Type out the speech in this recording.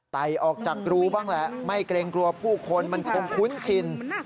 ไตออกจากรูบ้างแหละไม่เกรงกลัวผู้คนมันคงคุ้นชิน